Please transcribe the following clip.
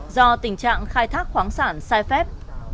do tình trạng khai thác khoáng sản sai phép